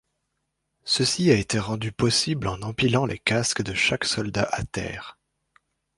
Ceci a été rendu possible en empilant les casques de chaque soldat à terre.